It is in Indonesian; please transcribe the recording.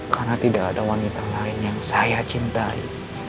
karena tidak ada wanita lain yang saya cintai